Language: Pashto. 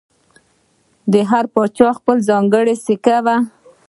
د هر پاچا خپله ځانګړې سکه وه